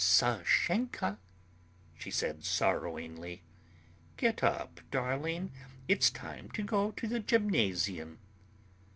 "Sashenka," she said sorrowingly, "get up, darling. It's time to go to the gymnasium."